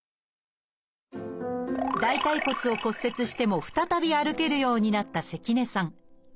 大腿骨を骨折しても再び歩けるようになった関根さん。